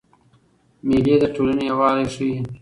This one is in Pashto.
مېلې د ټولني یووالی ښيي.